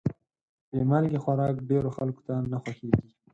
بې مالګې خوراک ډېرو خلکو ته نه خوښېږي.